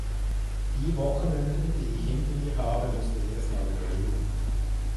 Die Wochenenden, die ich hinter mir habe, musst Du erst mal überleben!